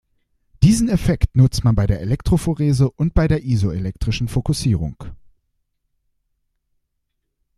Diesen Effekt nutzt man bei der Elektrophorese und bei der isoelektrischen Fokussierung.